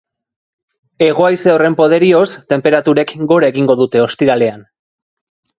Hego-haize horren poderioz, tenperaturek gora egingo dute ostiralean.